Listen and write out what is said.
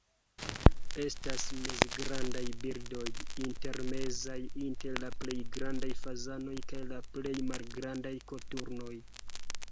Estas mezgrandaj birdoj, intermezaj inter la plej grandaj fazanoj kaj la plej malgrandaj koturnoj.